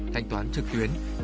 thành toán trực tuyến